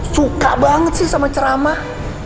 suka banget sih sama ceramah